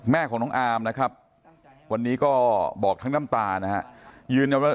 แม่ของน้องอามนะครับวันนี้ก็บอกทั้งน้ำตานะฮะยืนยันว่า